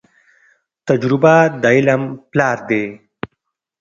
تجربه د علم پلار دی.